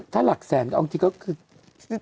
ถ้าหลักแสนก็เอาจริงก็คือ